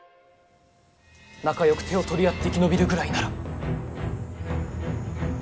仲よく手を取り合って生き延びるぐらいなら。